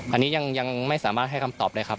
อันนี้ยังไม่ให้คำตอบเลยครับ